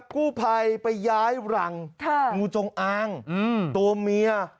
กู้ภัยไปย้ายรังงูจงอางตัวเมีย